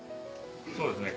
そうですね。